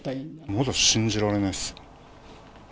まだ信じられないです。